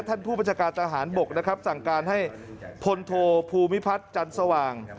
ท่านผู้บัญชาการทหารบกนะครับสั่งการให้พลโทภูมิพัฒน์จันทร์สว่าง